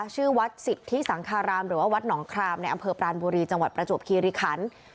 ชื่อวัดสิทธิสังคารามหรือว่าวัดหนองครามในอำเภอปรานบุรีจังหวัดประจวบคีริคัน